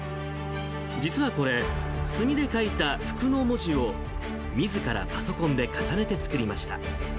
実はこれ、墨で書いた福の文字を、みずからパソコンで重ねて作りました。